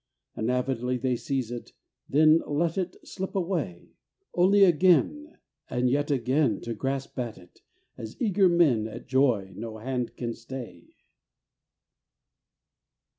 And avidly they seize it, Then let it slip away, Only again And yet again To grasp at it as eager men At joy no hand can stay.